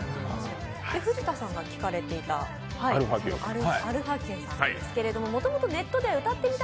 藤田さんが聴かれていた＋α／あるふぁきゅんさんですけどもともとネットで「歌ってみた」